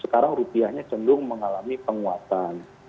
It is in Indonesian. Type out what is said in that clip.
sekarang rupiahnya cenderung mengalami penguatan